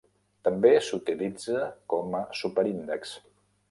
També s'utilitza com a superíndex.